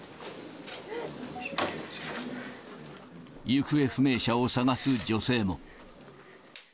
行方不明者を捜す女性も。